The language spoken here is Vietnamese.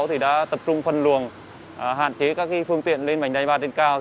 thì đã tập trung phân luồng hạn chế các phương tiện lên vành đai ba trên cao